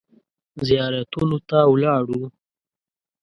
زیارتونو ته ولاړو.